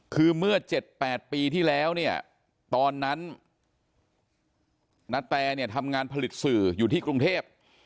คือเมื่อ๗๘ปีที่แล้วเนี่ยตอนนั้นณแตเนี่ยทำงานผลิตสื่ออยู่ที่กรุงเทพ